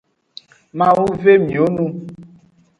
Mawu ve miwo nu.